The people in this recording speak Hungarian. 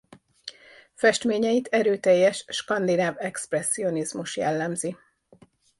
Festményeit erőteljes skandináv expresszionizmus jellemzi.